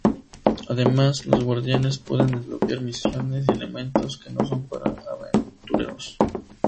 Además, los guardianes pueden desbloquear misiones y elementos que no son para aventureros.